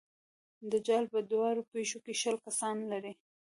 دجال په دواړو پښو کې شل کسان لري.